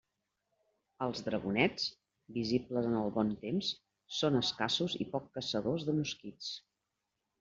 Els dragonets, visibles en el bon temps, són escassos i poc caçadors de mosquits.